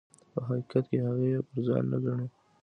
په حقیقت کې هغه یې پر ځان نه ګڼي.